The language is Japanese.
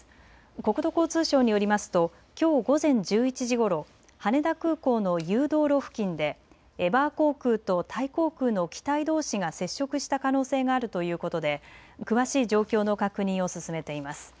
国土交通省によりますときょう午前１１時ごろ羽田空港の誘導路付近でエバー航空とタイ航空の機体どうしが接触した可能性があるということで詳しい状況の確認を進めています。